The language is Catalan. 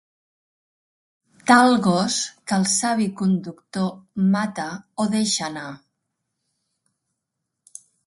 Tal gos que el savi conductor mata o deixa anar.